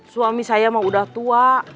suami saya mau udah tua